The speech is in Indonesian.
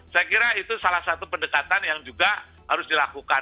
saya kira itu salah satu pendekatan yang juga harus dilakukan